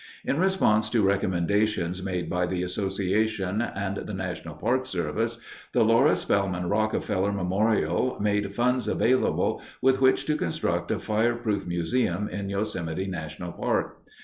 In response to recommendations made by the Association and the National Park Service, the Laura Spelman Rockefeller Memorial made funds available with which to construct a fireproof museum in Yosemite National Park.